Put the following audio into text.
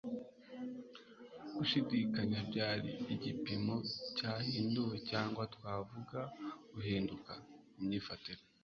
gushidikanya byari igipimo cyahinduwe - cyangwa twavuga guhinduka? - imyifatire